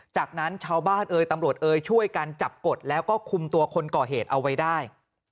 จากนั้นชาวบ้านเอ่ยตำรวจเอ่ยช่วยกันจับกดแล้วก็คุมตัวคนก่อเหตุเอาไว้ได้